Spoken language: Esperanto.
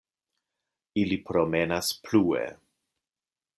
Ili promenas plue.